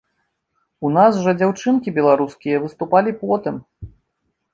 У нас жа дзяўчынкі беларускія выступалі потым.